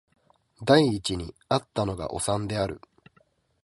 第一に逢ったのがおさんである